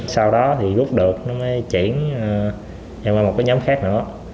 sau đó thì rút được nó mới chuyển vào một nhóm khác nữa